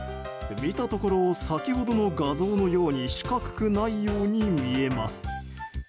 見たところ先ほどの画像のように四角くないように見えます。